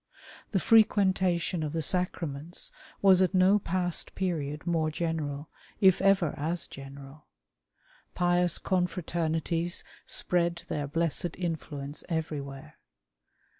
The frequentation of the sacraaients was at no past period more general — if ever as general. Pious Confraternities spread their blessed influence everywhere.